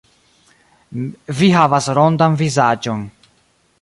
Vi havas rondan vizaĝon.